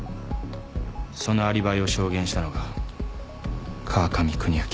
そのアリバイを証言したのが川上邦明。